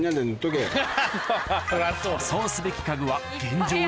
そうすべき家具は現状